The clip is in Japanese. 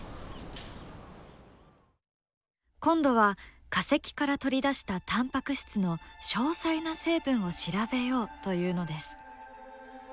今度は化石から取り出したタンパク質の詳細な成分を調べようというのです。